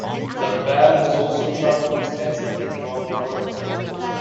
The band has also traveled extensively throughout the world.